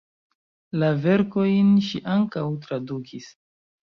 La verkojn ŝi ankaŭ tradukis.